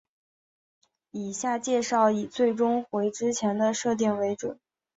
以下介绍以最终回之前的设定为准。